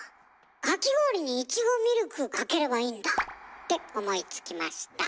かき氷にイチゴミルクかければいいんだ！って思いつきました。